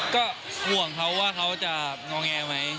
ก็ห่วงเขาว่าเขาจะงอแงไหม